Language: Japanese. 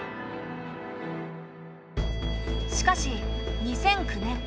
しかし２００９年。